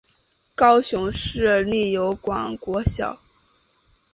高雄市立油厂国小